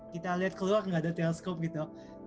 kita lihat keluar nggak ada teleskop gitu